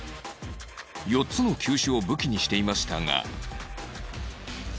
４つの球種を武器にしていましたが